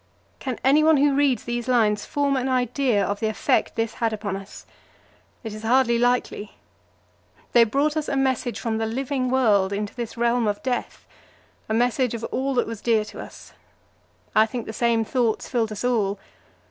Can anyone who reads these lines form an idea of the effect this had upon us? It is hardly likely. They brought us a message from the living world into this realm of death a message of all that was dear to us. I think the same thoughts filled us all.